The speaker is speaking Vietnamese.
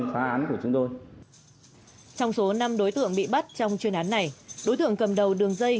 phá án của chúng tôi trong số năm đối tượng bị bắt trong chuyên án này đối tượng cầm đầu đường dây